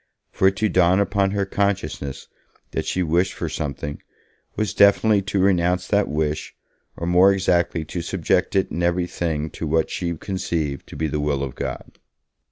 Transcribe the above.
For it to dawn upon her consciousness that she wished for something, was definitely to renounce that wish, or, more exactly, to subject it in every thing to what she conceived to be the will of God.